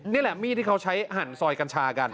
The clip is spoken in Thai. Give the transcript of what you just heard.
นี่แหละมีดที่เขาใช้หั่นซอยกัญชากัน